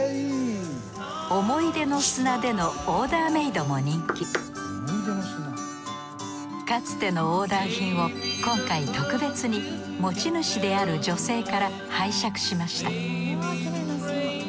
思い出の砂でのオーダーメイドも人気かつてのオーダー品を今回特別に持ち主である女性から拝借しました